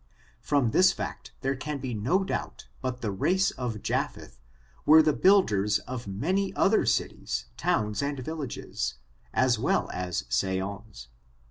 From this fact, there can be no doubt but the race of Japheth, were the builders of many other cities, towns and villages, as well as Seyons.